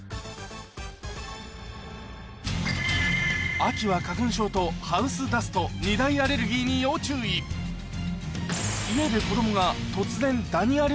秋は花粉症とハウスダスト２大アレルギーに要注意あ！